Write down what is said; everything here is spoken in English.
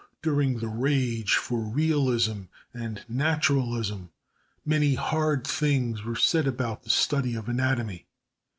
During the rage for realism and naturalism many hard things were said about the study of anatomy.